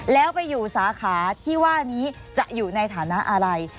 แล้วไปอยู่สาขาที่ว่านี้จะอยู่ในฐานะอะไร